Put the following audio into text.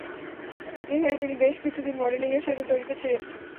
সেখানে তিনি বেশ কিছু দিন মডেলিং এর সাথে জড়িত ছিলেন।